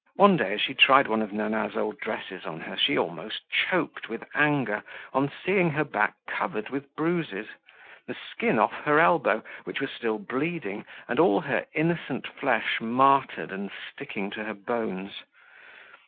One day as she tried one of Nana's old dresses on her, she almost choked with anger on seeing her back covered with bruises, the skin off her elbow, which was still bleeding, and all her innocent flesh martyred and sticking to her bones.